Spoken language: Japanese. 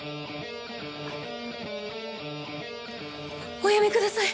おやめください